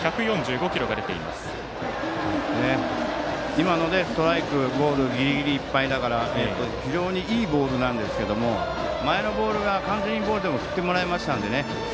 今のでストライク、ボールギリギリいっぱいだから非常にいいボールなんですけど前のボールが完全にボールでも振ってもらえましたのでね。